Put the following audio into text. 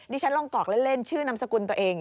ฉันลองกรอกเล่นชื่อนามสกุลตัวเอง